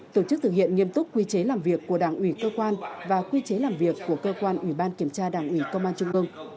tổ chức thực hiện nghiêm túc quy chế làm việc của đảng ủy cơ quan và quy chế làm việc của cơ quan ủy ban kiểm tra đảng ủy công an trung ương